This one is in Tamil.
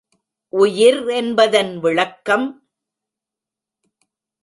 உயிர் என்பதன் விளக்கம்...